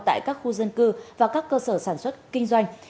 tại các khu dân cư và các cơ sở sản xuất kinh doanh